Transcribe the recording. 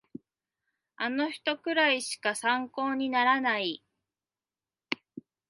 あの人くらいしか参考にならない